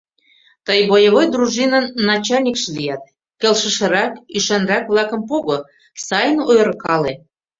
Тый боевой дружинын начальникше лият, келшышырак, ӱшанрак-влакым пого, сайын ойыркале.